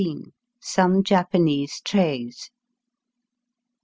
SOME JAPANESE TBAITS.